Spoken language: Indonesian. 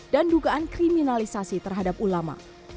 dan dugaan kriminalisasi terhadap ulama